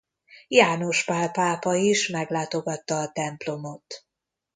János Pál pápa is meglátogatta a templomot.